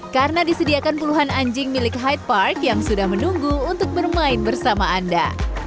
karena disediakan puluhan anjing milik hyde park yang sudah menunggu untuk bermain bersama anda